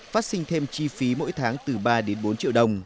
phát sinh thêm chi phí mỗi tháng từ ba đến bốn triệu đồng